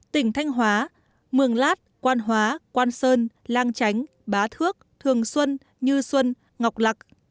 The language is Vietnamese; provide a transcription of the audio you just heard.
tỉnh thanh hóa mường lát quan hóa quan sơn lang chánh bá thước thường xuân như xuân ngọc lạc